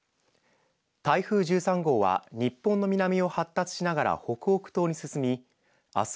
台風１３号は日本の南を発達しながら北北東に進みあす